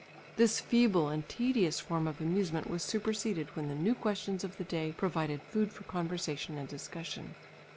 This feeble and tedious form of amusement was superseded when the new questions of the day provided food for conversation and discussion.